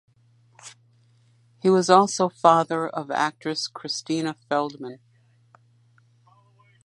He was also father of actress Krystyna Feldman.